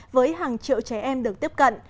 với hàng triệu trẻ em được tiếp cận